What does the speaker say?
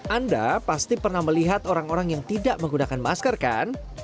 anda pasti pernah melihat orang orang yang tidak menggunakan masker kan